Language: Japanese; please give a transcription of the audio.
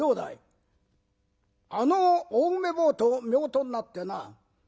あのお梅坊とめおとになってな